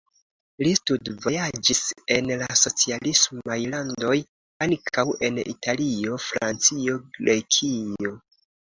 Li studvojaĝis en la socialismaj landoj, ankaŭ en Italio, Francio, Grekio.